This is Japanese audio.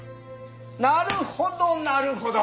なるほどなるほど！